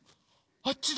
あっちだ！